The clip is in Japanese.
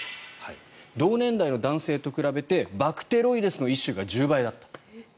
同年代の男性と比べてバクテロイデスの一種が１０倍だったと。